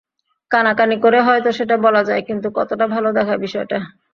কানাকানি করে হয়তো সেটা বলা যায়, কিন্তু কতটা ভালো দেখায় বিষয়টা।